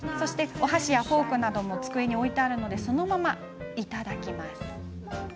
お箸やフォークなども机に置いてあるのでそのまま、いただきます。